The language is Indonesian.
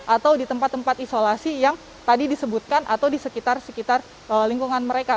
atau di tempat tempat isolasi yang tadi disebutkan atau di sekitar sekitar lingkungan mereka